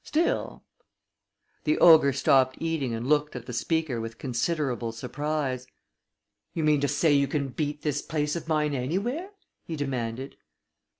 Still " The ogre stopped eating and looked at the speaker with considerable surprise. "You mean to say you can beat this place of mine anywhere?" he demanded.